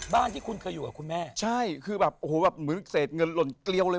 บ้านที่คุณเคยอยู่กับคุณแม่ใช่คือแบบโอ้โหแบบเหมือนเศษเงินหล่นเกลียวเลย